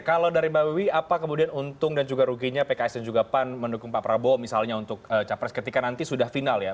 kalau dari mbak wiwi apa kemudian untung dan juga ruginya pks dan juga pan mendukung pak prabowo misalnya untuk capres ketika nanti sudah final ya